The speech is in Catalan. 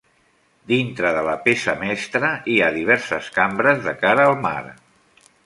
Dintre de la peça mestra hi ha diverses cambres de cara al mar.